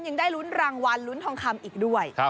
ยังได้ลุ้นรางวัลลุ้นทองคำอีกด้วย